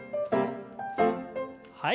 はい。